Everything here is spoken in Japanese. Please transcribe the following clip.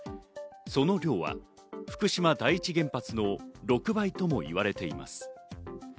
その量は福島第一原発の６倍ともいわれています。